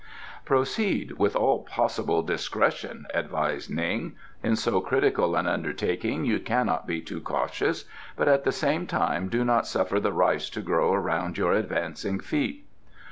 "Proceed with all possible discretion," advised Ning. "In so critical an undertaking you cannot be too cautious, but at the same time do not suffer the rice to grow around your advancing feet."